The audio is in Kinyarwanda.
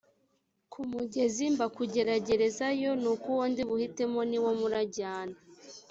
ku mugezi mbakugeragerezeyo nuko uwo ndi buhitemo niwe murajyana